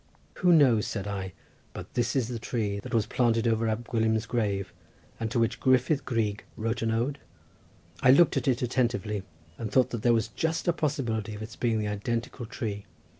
Who knows, said I, but this is the tree that was planted over Ab Gwilym's grave, and to which Gruffyd Gryg wrote an ode? I looked at it attentively, and thought that there was just a possibility of its being the identical tree.